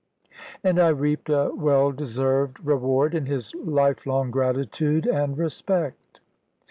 And I reaped a well deserved reward in his lifelong gratitude and respect.